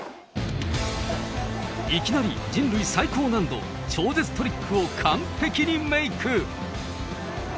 いきなり人類最高難度、超絶トリックを完璧メイク。